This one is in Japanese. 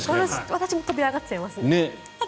私も飛び上がっちゃいます。